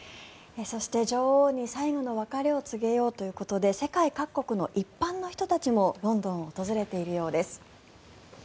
そして女王に最後の別れを告げようということで世界各国の一般の人たちもロンドンを訪れているようです。